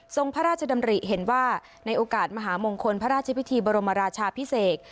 พระราชดำริเห็นว่าในโอกาสมหามงคลพระราชพิธีบรมราชาพิเศษ